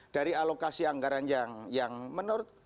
dari alokasi anggaran yang menurut